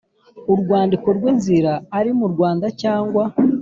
urwandiko rw inzira ari mu Rwanda cyangwa